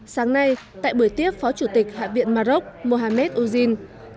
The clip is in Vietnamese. sáng nay tại buổi tiếp phó chủ tịch hạ viện mà rốc mohamed ouzine